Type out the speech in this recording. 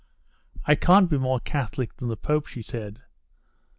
"I can't be more Catholic than the Pope," she said.